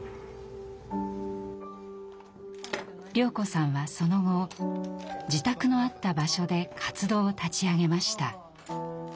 綾子さんはその後自宅のあった場所で活動を立ち上げました。